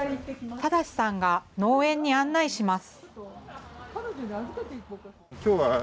靖さんが農園に案内します。